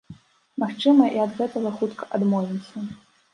Магчыма, і ад гэтага хутка адмовімся.